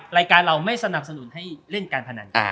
รายการเราไม่สนับสนุนให้เล่นการพนัน